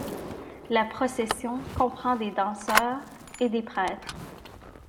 La procession comprend des danseurs et des prêtres.